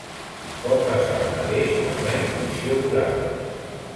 Pot passar el mateix amb la intuïció moral.